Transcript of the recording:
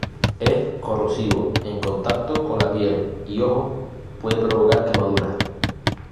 Es corrosivo, en contacto con piel y ojos puede provocar quemaduras.